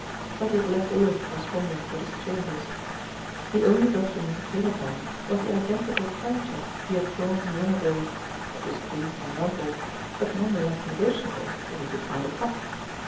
But he had left all his correspondence at his cham bers. The only document he came upon was the identical time cheque he had drawn long ago : it was creased and rumpled ; but none the less negotiable, if he could find a clock.